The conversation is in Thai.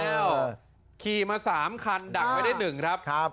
เออขี่มาสามคันดักไว้ได้หนึ่งครับครับ